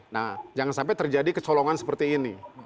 nah jangan sampai terjadi kecolongan seperti ini